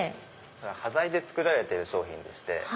端材で作られてる商品でして。